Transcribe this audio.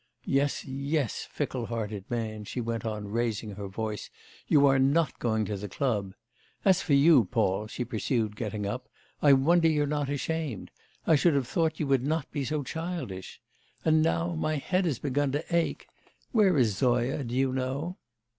Yes, yes, fickle hearted man,' she went on raising her voice, 'you are not going to the club, As for you, Paul,' she pursued, getting up, 'I wonder you're not ashamed. I should have thought you would not be so childish. And now my head has begun to ache. Where is Zoya, do you know?